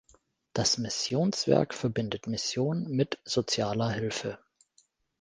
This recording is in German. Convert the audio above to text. Das Missionswerk verbindet Mission mit sozialer Hilfe.